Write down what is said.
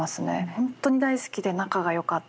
本当に大好きで仲がよかった